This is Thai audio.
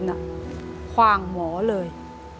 อเรนนี่นี่คือเหตุการณ์เริ่มต้นหลอนช่วงแรกแล้วมีอะไรอีก